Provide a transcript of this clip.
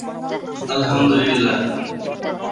কর্তৃপক্ষ প্রায়শঃই তা নিষিদ্ধ করার চেষ্টা চালায়।